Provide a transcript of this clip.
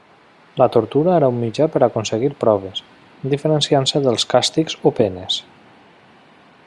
La tortura era un mitjà per a aconseguir proves, diferenciant-se dels càstigs o penes.